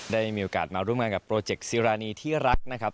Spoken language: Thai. ได้มีโอกาสมาร่วมงานกับโปรเจกต์ซีรานีที่รักนะครับ